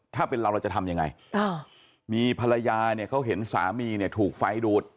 ถ้าเป็นเราเราจะทำยังไงมีภรรยาเนี่ยเขาเห็นสามีเนี่ยถูกไฟดูด